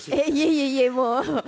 いえいえ、もう。